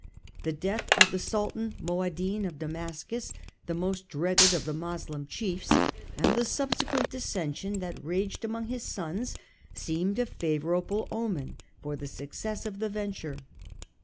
The death of the Sultan Moadhin of Damascus, the most dreaded of the Moslem chiefs, and the subsequent dissensions that raged among his sons, seemed a favourable omen for the success of the venture.